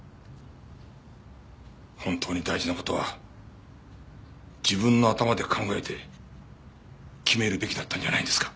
本当に大事な事は自分の頭で考えて決めるべきだったんじゃないんですか？